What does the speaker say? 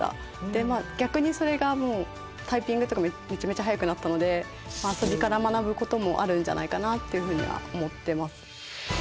でまあ逆にそれがもうタイピングとかめちゃめちゃ速くなったので遊びから学ぶこともあるんじゃないかなっていうふうには思ってます。